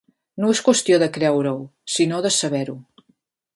No és qüestió de creure-ho, si no de saber-ho.